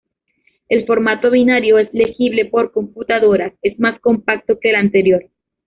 El formato binario es legible por computadoras, es más compacto que el anterior.